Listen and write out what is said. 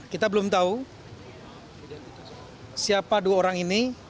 kita belum tahu siapa dua orang ini